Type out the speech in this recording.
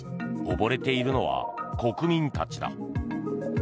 溺れているのは国民たちだ。